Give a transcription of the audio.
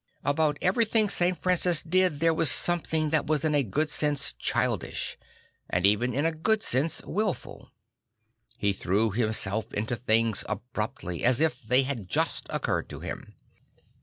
About everything St. Francis did there was something that was in a good sense childish, and even in a good sense wilful. He threw himself into things abruptly, as if they had just occurred to him.